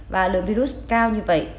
và lượng virus cao như vậy